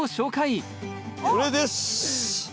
これです！